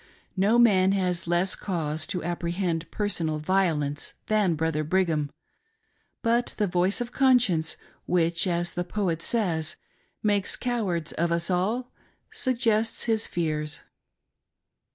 No man has , less cau^e to apprehend personal violence than Brother Brigham, but the voice of conscience, which, as the poet says, makes cowards of us all, suggests his fears. LOST OPPORTUNITIES.